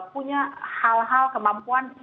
punya hal hal kemampuan